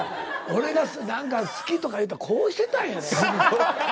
俺が何か「好き」とか言うたらこうしてたんやで。